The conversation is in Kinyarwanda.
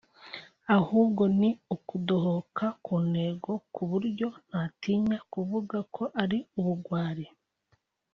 ahubwo ni ukudohoka ku ntego ku buryo ntatinya kuvuga ko ari ubugwari"